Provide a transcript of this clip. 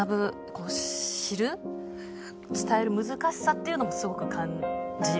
こう知る伝える難しさっていうのもすごく感じました